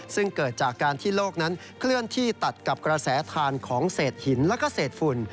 ซึ่งเกิดจากการที่โลกนั้นเคลื่อนที่ตัดกับกระแสทานของเศษหินแล้วก็เศษฝุ่น